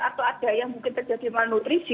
atau ada yang mungkin terjadi malnutrisi